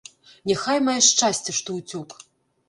Няхай мае шчасце, што ўцёк.